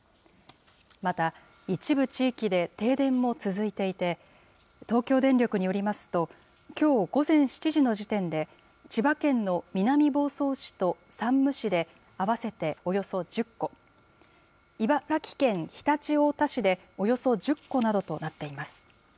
また、一部地域で停電も続いていて、東京電力によりますと、きょう午前７時の時点で、千葉県の南房総市と山武市で、合わせておよそ１０戸、茨城県常陸太田市でおよそ１０戸などとなっています。